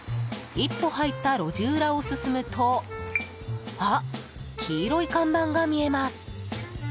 一歩入った路地裏を進むと黄色い看板が見えます。